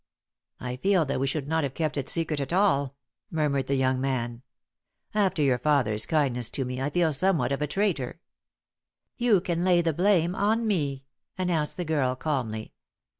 "I feel that we should not have kept it secret at all," murmured the young man. "After your father's kindness to me I feel somewhat of a traitor." "You can lay the blame on me," announced the girl, calmly.